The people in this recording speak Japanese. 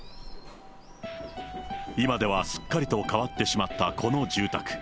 今ではすっかりと変わってしまったこの住宅。